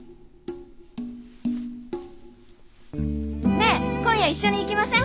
ねえ今夜一緒に行きません？